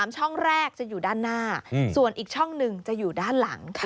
ช่องแรกจะอยู่ด้านหน้าส่วนอีกช่องหนึ่งจะอยู่ด้านหลัง